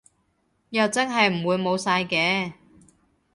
又真係唔會冇晒嘅